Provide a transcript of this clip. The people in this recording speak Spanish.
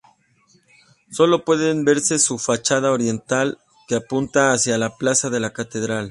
Solo puede verse su fachada oriental, que apunta hacia la plaza de la Catedral.